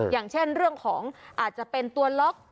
อย่างเช่นเรื่องของอาจจะเป็นตัวล็อก